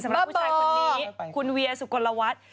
สำหรับผู้ชายคนนี้คุณเวียสุกรวรรณวัฒน์